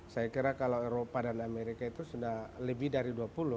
saya kira kalau eropa dan amerika itu sudah lebih dari dua puluh